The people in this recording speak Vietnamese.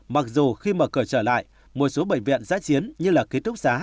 mặc dù khi mở cửa trở lại một số bệnh viện giã chiến như là ký túc xá